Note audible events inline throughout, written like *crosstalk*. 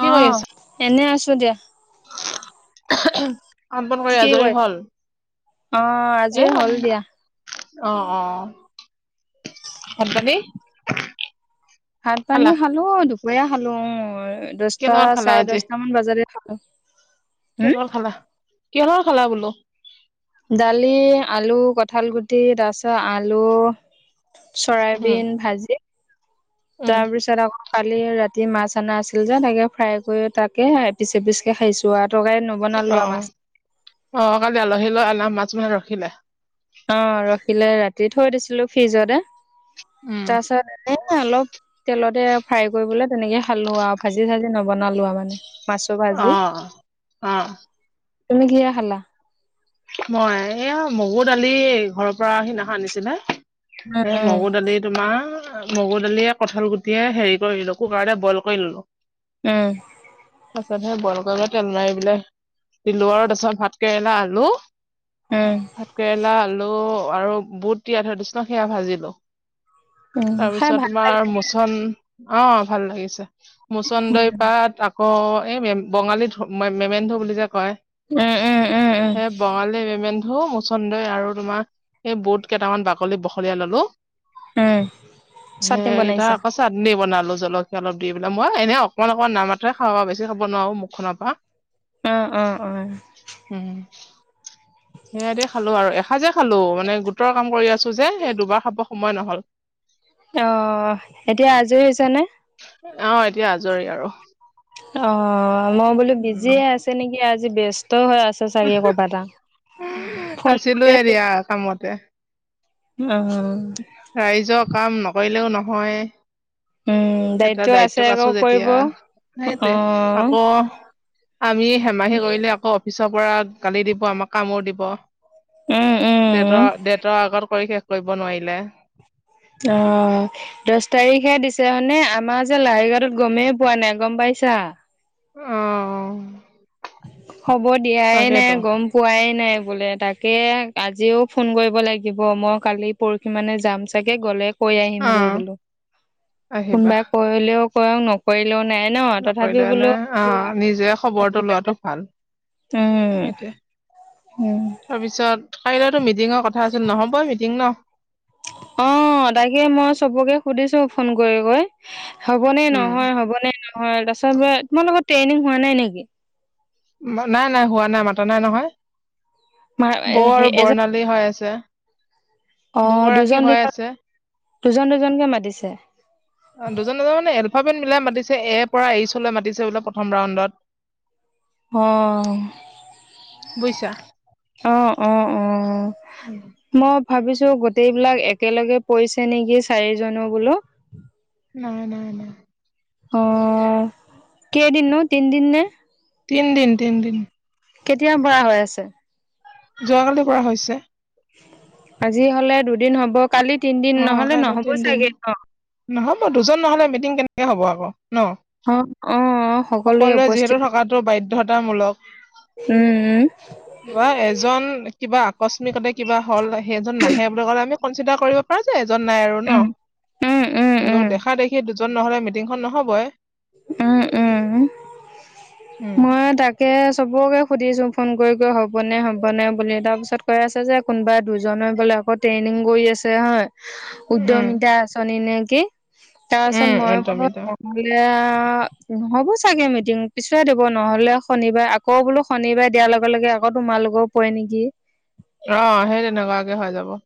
কি অ, কৰি আছা? এনে আছো দিয়া। *unintelligible* কাম বন কি কৰি কি আজৰি কয় হ'ল অ এ আজৰি হ'ল দিয়া অ', অ', ভাত পানি? ভাত পানী খালো দুপৰীয়া খালো কিহৰ দছটা লগত খালা চাৰে আজি? দচটা মান বজাতে খালো। অ'। কিহৰ লগত খালা কিহৰ লগত খালা বোলো? দালি আলু কঠাল গুটি তাৰপিছত আলু উম, চৰাইবিন ভাজি। উম, তাৰপিছ আৰু কালি ৰাতি মাছ অনা আছিল যে তাকে ফ্ৰাই কৰি তাকে এপিচ এপিচ কে খাইছো আৰু। তৰকাৰী নবনালো আৰু মাছ অ', আহ কালি আলহী লৈ অনা মাছ মানে ৰখিলে? অ', ৰখিলে ৰাতি থৈ দিছিলো ফ্ৰিজতে উম, তাৰপিছত এনে অলপ তেলতে ফ্ৰাই কৰিবলে তেনেকে খালো আৰু ভাজি চাজি নবনালো আৰু মানে। মাছৰ ভাজি অ', অ'। তুমি কিহেৰে খালা? মই এয়া মগু দালি ঘৰৰ পৰা সিদিনাখন আনিছিলে। উম, সেই উম, মগু দালি তোমাৰ মগু দালিয়ে কঁঠাল গুটিয়ে হেৰি এওঁলোকৰ কাৰণে বইল কৰি ললো। উম। তাৰপাছত সে বইল কৰিবলৈ তেল মাৰি পেলাই দিলোঁ আৰু তাৰপিছত ভাত কেৰেলা আলু উম। ভাতকেৰেলা আলু আৰু বুট তিয়াই থৈ দিছিলোঁ সেয়া ভাজিলো। উম, খাই তাৰপিছত ভাল তোমাৰ লাগে। মোচন অ', ভাল লাগিছে মুচন্দৰি পাট আ আকৌ এই বঙালী ধ মেমেন্ধু বুলি যে কয়। উম, উম, উম, উম। মেমেন্ধো মুচন্দই আৰু তোমাৰ এই বুত কেইটামান বাকলি বখলিয়াই ললো। উম। চাটনি সেইকেইটা বনাইছা? আকৌ চাটনি বনালো। আৰু জলকীয়া অলপ দি পেলাই মই এনে অকণমান অকমান নাম মাত্ৰ হে খাও আৰু বেছি খাব নোৱাৰো মুখখনৰ পৰা। অ', অ', অ'। উম সেয়া দি খালো আৰু এসাঁজে খালো মানে গোটৰ কাম কৰি আছো যে সেই দুবাৰ খাব সময় নহ'ল। অ', এতিয়া আজৰি হৈছে নে? অ', এতিয়া আজৰি আৰু। অ', মই বোলো উম বিজিয়ে আছে নেকি আজি ব্যস্ত হৈ আ আছে চাগে ক'ৰবাত আৰু আছিলোয়ে দিয়া কামতে। অ', ৰাইজৰ কাম নকৰিলেও উম, নহয়। দায়িত্ব এটা আছে দায়িত্বত আকৌ আছো কৰিব। যেতিয়া সেইটোৱে অ', আকৌ আমি হেমাহি কৰিলে আকৌ অফিচৰ পৰা গালি দিব আমাক কামোৰ দিব। উম, উম, দেতৰ দেতৰ আগত কৰি শেষ কৰিব নোৱাৰিলে। অ' দহ তাৰিখে দিছে এতিয়া মানে আমাৰ যে লাহৰিঘাটত গমেই পোৱা নাই গম পাইছা। অ'। খবৰ দিয়াই নাই তাকেতো গম পোৱাই নাই। বোলে তাকে আজিও ফোন কৰিব লাগিব মই কালি পৰহি মানে যাম চাগে গ'লে কৈ আহিম অ গৈ বোলো আহিবা কোনোবা কৰিলেও কৰক নকৰিলেও নাই। ন তথাপিও নকৰিলেও বোলো নাই অ', নিজে খবৰটো লোৱাটো ভাল উম সেইটোৱে। উম তাৰপিছত কাইলৈতো মিটিঙৰ কথা আছিল নহ'ব মিটিং ন? অ', তাকে মই চবকে সুধিছো ফোন কৰি কৰি। হ'বনে উম নহয় হ'বনে নহয় তাৰপিছত তোমা লোকৰ ট্ৰেইনিং হোৱা নাই নেকি? না, নাই নাই হোৱা নাই, মাতা নাই নহয়। বৌ আৰু এজন বৰ্ণালী হৈ আছে। অ' দুগৰাকী দুজন হৈ দুজন, আছে দুজন দুজনকে মাতিছে। অ' দুজন দুজন মানে এলফাবেট মিলাই মাতিছে। এৰ পৰা এইছলৈ মাতিছে বোলে প্ৰথম ৰাউণ্ডত। হ। বুজিছা অ', অ', অ' ম ভাবিছোঁ গোটেইবিলাক একেলগে পইছে নেকি চাৰিজনো বোলো। নাই নাই নাই। অ' কেইদিননো, তিনদিন নে? তিনদিন, তিনদিন। কেতিয়া পৰা হৈ আছে? যোৱাকালি পৰা হৈছে। আজি হ'লে দুদিন হ'ব। কালি তিনদিন অ নহ'লে নহ'ব চাগে ন? ন দুজন নহ'লে মিটিং কেনেকে হ'ব আকৌ। ন। অ অ সকলোৱে যিহেতু থকাটো বাধ্যতামূলক। উ, উ। বা এজন কিবা আকস্মিকতে কিবা হ'ল, হেজন নাহে বুলি ক'লে আমি কনচিডা কৰিব পাৰা যাই এজন নাই আৰু ন। উম উম উম কিন্তু উম দেখা দেখি দুজ জন নহ'লে মিটিংখন নহ'বই। উ, উ। উম মই তাকে চবকে সুধিছোঁ ফোন কই কই হ'বনে, হ'বনে বুলি তাপিছত কৈ আছে যে কোনবা দুজনে বোলে আকৌ ট্ৰেইনিং কই আছে হয়। উম উদ্যমিতা আঁচনি নে কি, তাপাছত উম মই একদম বোলো একদম *unintelligible* আ নহ'ব চাগে মিটিং পিছুৱাই দিব। নহ'লে শনিবাই আকৌ বোলো, শনিবাই দিয়া লগে লগে আ আকৌ তোমালোকও পৱে নেকি। অ' হেই তেনেকুৱাকে হৈ যাব।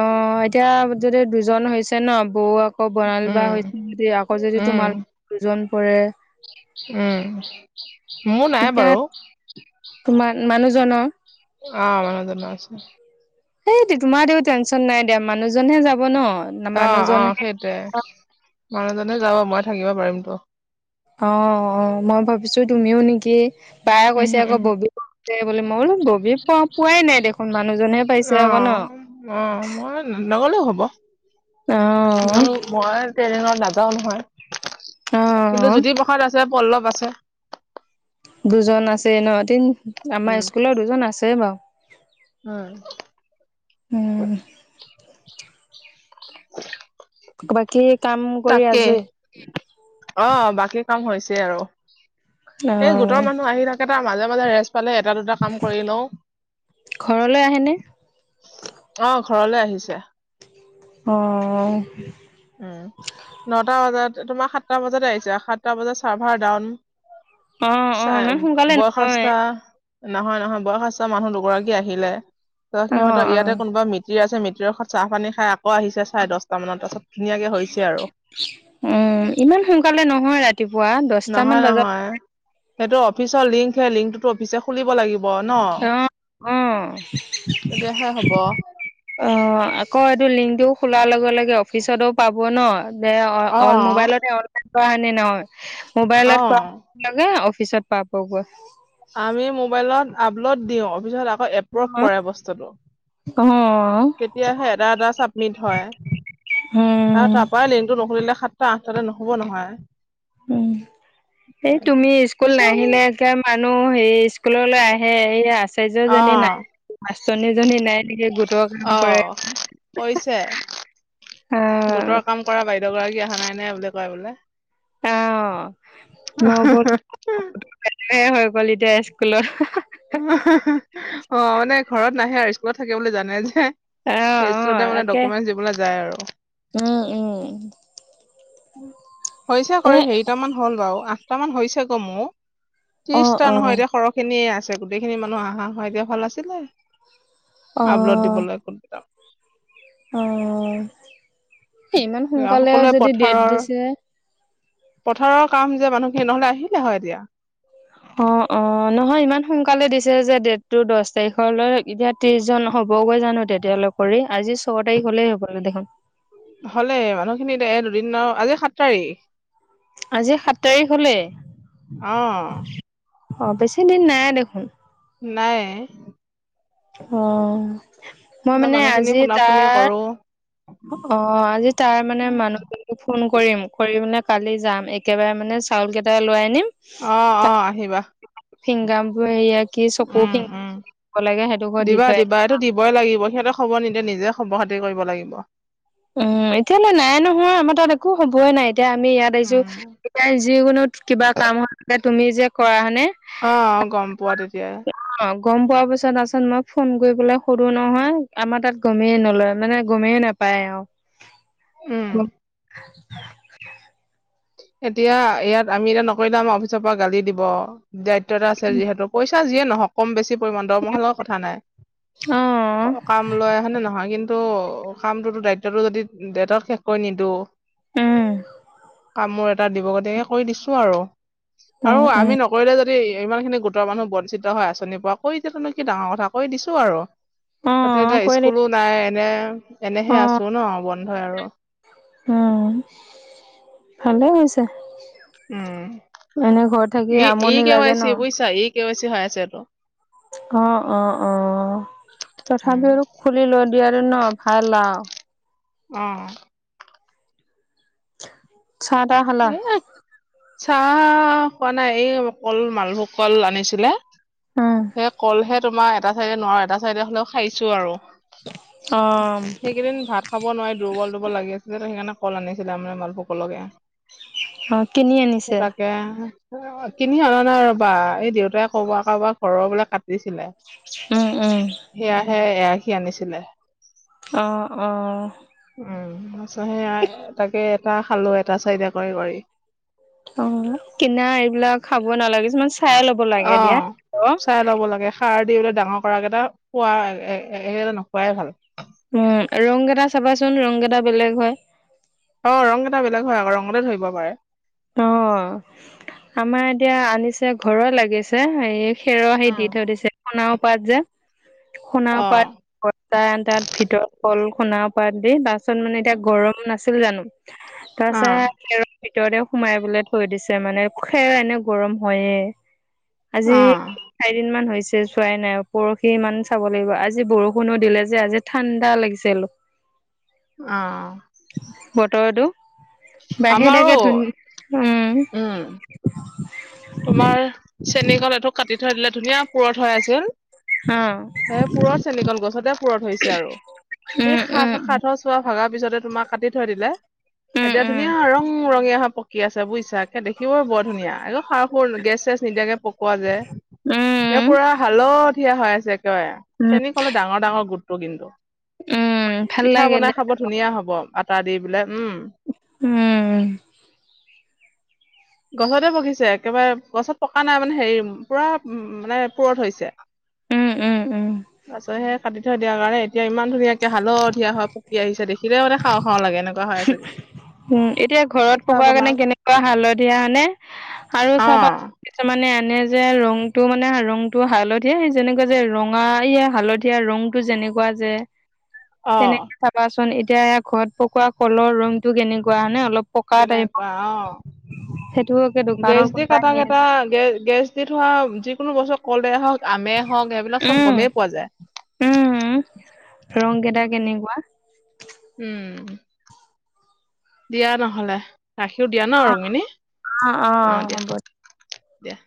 অ' এতিয়া যদি দুজন হৈছে ন বৌ আ কৌ বণালী বা উম হৈছে যদি আকৌ যদি তোমাৰ দুজন পৰে। উ, মো নাই বাৰু। তোমা মানুহজন অ'। অ' মানুজন আছে। সেইটো তোমাতেও টেনশ্যন নাই দে মানুহজনহে যাব ন। অ', অ' মানুহজনহে সেইটোৱে, মানুহজনে যাব মই থাকিব পাৰিমতো। অ', অ' মই ভাবিছোঁ তুমিও নেকি। বাই কৈছে উমহু আকৌ *unintelligible* উমহু বুলি। মই বোলো ববিয়ে পোৱা, পোৱাই নাই দেখোন মানুহজনহে পাইছে অ আকৌ ন। ম, মো, অ', মই ট্ৰেইনত নাযাওঁ নহয়। কিন্তু অ', জ্যোতিপ্ৰসাদ আছে, পল্লৱ আছে। দুজন আছে ন। তিন, আমাৰ স্কুলৰ দুজন আছেই বাও। উ। উম, অ' বাকী কাম কৰি তাকে। আজৰি অ' বাকী কাম হৈছে আৰু। এই গোটৰ অ', মানুহ আহি থাকে তা মাজে মাজে ৰেচ পালে এটা দুটা কাম কৰি লওঁ। ঘৰলৈ আহেনে? ঘৰলৈ আহিছে। অ'। উ নটা বজাত, তোমা সাতটা বজাতে আহিছে। সাতটা বজাত চাৰ্ভাৰ ডাউন। অ', অ', চাই, ইমান সোনকালে বয়সস্থ। নহয় নহয় নহয় বয়সস্থ মানুহ দুগৰাকী আহিলে, ত' সিহঁত অ', ইয়াতে অ', কোনোবা মিতিৰ আছে মি সিয় ঘত চাহ পানী খাই আকৌ আহিছে চাই দছটা মানত, তাছত ধুনীয়াকে হৈছে আৰু। উ ইমান সোনকালে নহয় ৰাতিপুৱা, নহয় দছটামান নহয় বাজাত সেইটো অফিচৰ লিংক সে, লিংকটোতো অফিচে খুলিব লাগিব অ', তেতিয়াহে হ'ব। অ', আকৌ এইটো লিংকটোও খোলাৰ লগত লগ লগে অফিচতো পাব ন, দে অ মোবাইলতে অনলাইন কৰা নে নহয় অ মোবাইলত কৰা লগে লগে অফিচত পাবগৈ। আমি মোবাইলত আপলোড দিওঁ, অফিছত আকৌ এপ্ৰুভ অ', কৰে বস্তুটো। অ'। তেতিয়াহে এটা এটা চাবমিট হয়, আৰু উম তাৰ পৰা লিংকটো নুখুলিলে সাতটা আঠতাতে নহ'ব নহয়। উম, এই তুমি ইস্কুল কিছুমানে নাহিলে মানুহ হে ইস্কুললৈ আহ সে, হে আচাৰ্যজনী অ', নাই মাষ্টৰনীজনী নাই নেকি গোটৰ কাম কৰে অ', কৰিছে গোটৰ কাম কৰা বাইদেউ গৰাকী অহা নাই নে বুলি কয় বোলে অ', নৱদ, হৈ হলিডে স্কুলৰ অ', মানে ঘৰত নাহে আৰু স্কুলত থাকিব বুলি জানে যে। অ সেই অ ইস্কুলতে মানে তাকে ডকুমেন্ট দিবলৈ যায় আৰু। উম উম হৈছে এ কৰি, হেৰিটামান হ'ল বাৰু আঠটামান হৈছে গৌ মোৰ অ ত্ৰিশটা অ নহয় এতিয়া সৰহ খিনিয়ে আছে গোটেইখিনি মানুহ আহা হয় এতিয়া ভাল আছিলে। অ আপলোড দিব লাগিবো কেইটা অ'। ইমান সোনকালে সকলোৱে যদি ডেট পথাৰৰ, দিছে পথাৰৰ কাম যে মানুহ সেই নহ'লে আহিলে হয় দিয়া অ', অ', নহয় ইমান সোনকালে দিছে যে ডেটটো দহ তাৰিখলৈ এতিয়া ত্ৰিশ জন হ'বগৈ জানো তেতিয়াল কৰি আজি ছয় তাৰিখ হলেই হ'ব দেখোন হ'লে মানুহখিনি দে- দুদিন আৰু আজি সাত তাৰিখ। আজি সাত তাৰিখ হ'লেই। অ অ', বেছি দিন নাই দেখোন। নাই। অ মই মানে মানুহ খিনি আজি ফোনা-ফোনি তাৰ কৰোঁ অ', আজি তাৰ মানে মানুহ ফোন কৰিম, কৰি মানে কালি যাম, একেবাৰে মানে চাউল কেইটা লৈাই আনিম অ', অ', আহিবা। ফিংগাম্প হেয়া কি চকু উম, ফিংগাব উম, লাগে সেইটো ঘৰত দি দিবা, থৈ দিবা, এইটো দিবই লাগিব, সিহঁতে খবৰ নিদিয়া নিজে খবৰ- খাতি কৰিব লাগিব। উম, এতিয়াহ'লে নাই নহয়, আমাৰ তাত একো হ'বয়ে নাই। এতিয়া আমি ইয়াত আহিছোঁ, উম এতিয়া যিকোনো কিবা কাম হ'লে তুমি যে কৰা নে? অ', গম পোৱা তেতিয়া। অ', গম পোৱা পিছত আছত মই ফোন কৰিবলৈ সোধোঁ নহয়, আমাৰ তাত গমেই নলয়, মানে গমেই নাপায় আৰু উম *unintelligible* এতিয়া, ইয়াত আমি এতিয়া নকৰিলে আমাৰ অফিচৰ পৰা গালি দিব। আছে যিহেতু, পইচা যিয়ে নহও কম বেছি পৰিমাণ, দৰমহাৰ লগত কথা নাই, অ', কাম লৈ হেনে নহয় কিন্তু ত' কামটোতো, দায়িত্বটো যদি দেতক শেষ কৰি নিদিওঁ উম। কামোৰ এটা দিব, গতিকে কৰি দিছোঁ আৰু, উম, আৰু উম, আমি নকৰিলে য ইমান খিনি গোটৰ মানুহ বঞ্চিত হয় আঁচনিৰ পৰা, কৰি দিয়াতোনো কি ডাঙৰ কথা কৈ দিছোঁ আৰু তাতে অ', এতিয়া কৰিলি ইস্কুলো নাই, এনে, এনেহে অ', আছো ন বন্ধই আৰু উম। ভালে হৈছে। উম, এনে ঘৰত থাকি ই এই আমনি কে ৱাই লাগে ন। চি বুজিছা এই কে ৱাই চি হৈ আছেটো। অ', অ', অ'। উম। তথাপিও আৰু খুলি ল দিয় আৰু ন, ভাল আৰু। উম। ছটা হলা। আহ কোৱা নাই। এই কল মালভোগ কল আনিছিলে। উম, সেই কলহে তোমাৰ এটা চাইডে নোৱাৰো এটা চাইডে হলেও খাইছো আৰু। অ', সেইকেইদিন ভাত খাব নোৱাৰি দুৰ্বল, দুৰ্বল লাগি আছিল সেইকাৰণে। অকল আনিছিলে মানে মালভকলকে অ', কিনি স, আনিছে? তাকে। অ, কিনি অনা নাই ৰ'বা এই দেউতাই ক'বা, কাৰবাৰ ঘৰৰ বোলে কাট দিছিলে উম উম সেয়াাহে এয়া সি আনিছিলে। আহ, অ'। *inaudible* তাকে এটা খালো এটা চাৰিদা কৰি, কৰি। অ, কিনা এইবিলাক খাব নালাগে কিছুমান চাই ল'ব অ লাগে দিয়া, অ'। চাই ল'ব লাগে সাৰ দি বোলে ডাঙৰ কৰাকেইটা খোৱা সেইকেইটা নোখোৱাই ভাল। উম, ৰং এেইটা চাবাচোন ৰং এেইটা বেলেগ হয়। অ, ৰং এটা বেলেগ হয় আকৌ ৰঙতে ধৰিব পাৰে। অ, আমাৰ এতিয়া আনিছে, ঘৰৰ লাগিছে এই খেৰহি দি উম থৈ দিছে সোণা পাত যে শুনা অ পাৰ তাত ভিতৰত কল সোণাৰ পাত দি বাছত মানে এতিয়া গৰম নাছিল জানো অ তাৰপিছত খৰৰ ভিতৰতে সোমাই বলে থৈ দিছে মানে খেৰ এনে গৰম হয়য়ে। আজি অ তিনি-চাৰিদিনমান হৈছে। চোৱাই নাই পৰহি ইমান চাব লাগিব। আজি বৰষুণো দিলে যে আজি ঠাণ্ডা লাগিছিল। হয়। অ'। আমাৰো বাহেনেকে ধুনীয়া উম। তোমাৰ চেনীখন এইটো কাটি থৈ দিলে ধুনীয়া পুৰত হৈ আছিল। অ সেই পুৰত চেনিকন গছতে পুৰত হৈছে আৰু সেই উম উম সাত, সাত চোৱা ভগা পিছতে তোমাক কাটি থৈ দিলে উম এতিয়া উম ধুনীয়া ৰং ৰঙি অপকি আছে বুজিছা। তাকে দেখিবই বৰ ধুনীয়া আৰু। খাৰ, খুৰ গেছ, চেছ নিদিয়াকে পকোৱা যায় এ উম পুৰা হালধীয়া হৈ আছে। উম চেনী কলে ডাঙৰ, ডাঙৰ গোটটো কিন্তু। উম ভাল পিঠা লাগে বনাই দে খাব ধুনীয়া হ'ব আটা দি বোলে উম উম। গছতে বগিছে একেবাৰে গছত পকা নাই মানে হেৰি পুৰা উ, মানে পুৰত হৈছে। উম উম উম পাছত সে খাদ থ দিয়াৰ কাৰণে এতিয়া ইমান ধুনীয়াকে হালধীয়া হয় পকি আহিছে দেখি সি মানে খাওঁ, খাওঁ লাগে। এনেকুৱা খাই চাগে উম, এতিয়া ঘৰত পকাৰ কাৰণে কেনেকুৱা হালধীয়া আনে আৰু চাবা অ কিছুমান মে আনে যে ৰংটো মানে ৰংটো হালধীয়া যেনেকুৱা যে ৰঙা ই হালধীয়া ৰংটো যেনেকুৱা যে অ তেনেকে চাবাচোন এতিয়া ঘৰত পকোৱা কলৰ ৰংতটো কেনেকুৱা হয়ানে অলপ পকা টাইপ কেনেকুৱা সেইটোকে অ'। গেছ দোকানত দি কোনোবাই কটা, নিয়ে কেইটা গে, গেছ দি থোৱা যিকোনো বস্তু কল দে অ'। আমে হওক সেইবিলাক চব উম গমেই পোৱা যায়। উম, ৰং কেইটা কেনেকুৱা? উম দিয়া নহলে ৰাখিও দিয়া ন অ ৰুক্মিনী অ' দিয়া। দিয়া।